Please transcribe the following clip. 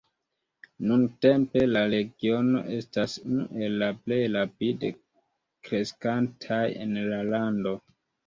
Nuntempe, la regiono estas unu el la plej rapide kreskantaj en la lando.